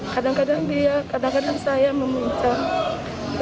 kadang kadang dia kadang kadang saya memuncah